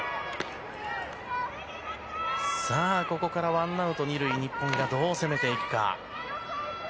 さあ、ここからワンアウト２塁で日本がどう攻めていくか。